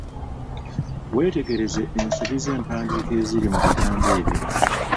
Weetegereze ensobi z'empandiika eziri mu bigambo ebyo.